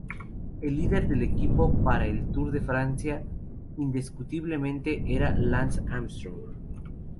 El líder del equipo para el Tour de Francia, indiscutiblemente era Lance Armstrong.